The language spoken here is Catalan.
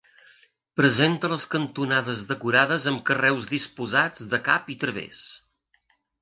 Presenta les cantonades decorades amb carreus disposats de cap i través.